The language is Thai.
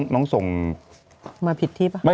ส่งมาผิดที่ป่ะ